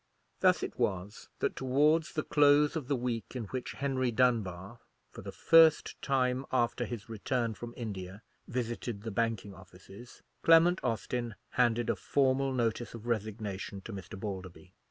Thus it was that towards the close of the week in which Henry Dunbar, for the first time after his return from India, visited the banking offices, Clement Austin handed a formal notice of resignation to Mr. Balderby.